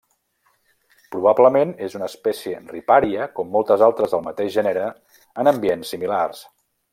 Probablement, és una espècie ripària com moltes altres del mateix gènere en ambients similars.